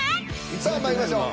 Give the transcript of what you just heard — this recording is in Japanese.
さあまいりましょう。